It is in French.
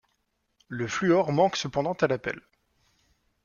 Le fluor manque cependant à l’appel.